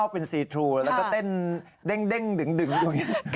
เป็นสีทรูแล้วก็เต้นเด้งดึงอย่างนี้